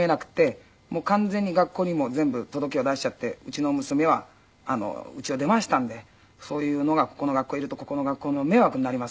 完全に学校にも全部届けを出しちゃってうちの娘はうちを出ましたんでそういうのがここの学校にいるとここの学校の迷惑になりますと。